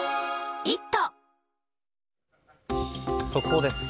速報です。